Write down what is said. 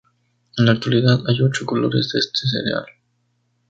En la actualidad hay ocho colores de este cereal.